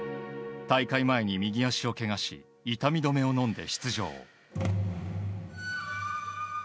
大会前に右足をけがし痛み止めを飲んで出場。